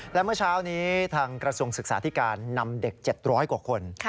และเมื่อเช้านี้ทางกระทรวงศึกษาธิการนำเด็ก๗๐๐กว่าคน